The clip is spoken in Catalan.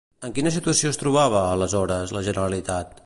En quina situació es trobava, aleshores, la Generalitat?